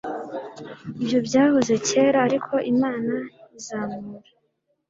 Ibyo byahoze kera Ariko Imana izamura